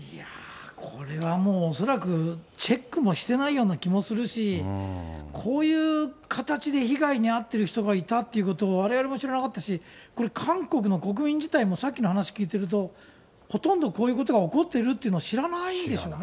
これはもう、恐らくチェックもしてないような気もするし、こういう形で被害に遭ってる人がいたっていうことを、われわれも知らなかったし、韓国の国民自体も、さっきの話聞いてると、ほとんどこういうことが起こってるっていうのを知らないでしょう